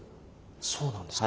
そうなんですか。